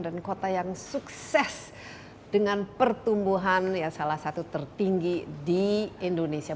dan kota yang sukses dengan pertumbuhan salah satu tertinggi di indonesia